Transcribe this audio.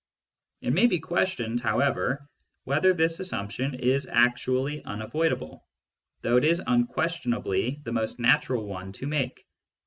It may be questioned, however, whether this assump tion is actually unavoidable, though it is unquestionably the most natural one to make.